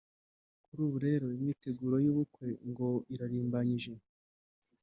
Kuri ubu rero imyiteguro y’ubukwe ngo irarimbanije